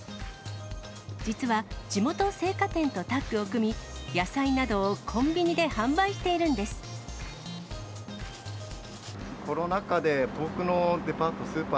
実は、地元青果店とタッグを組み、野菜などをコンビニで販売しているんです。